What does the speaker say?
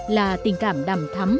là tình cảm đầm thắm